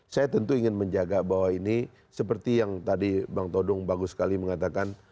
saya tentu ingin menjaga bahwa ini seperti yang tadi bang todung bagus sekali mengatakan